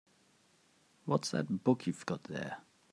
What's that book you've got there?